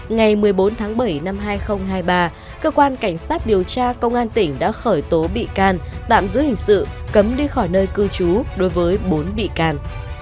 ngày một mươi bốn tháng bảy năm hai nghìn hai mươi ba cơ quan cảnh sát điều tra công an tỉnh đã khởi tố bị can tạm giữ hình sự cấm đi khỏi nơi cư trú đối với bốn bị can